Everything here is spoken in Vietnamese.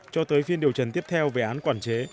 cho tới phiên điều trần tiếp theo về án quản chế